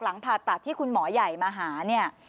ผ่าตัดที่คุณหมอใหญ่มาหาเนี่ย